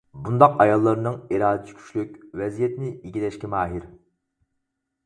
بۇنداق ئاياللارنىڭ ئىرادىسى كۈچلۈك، ۋەزىيەتنى ئىگىلەشكە ماھىر.